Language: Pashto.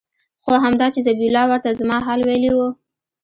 خو همدا چې ذبيح الله ورته زما حال ويلى و.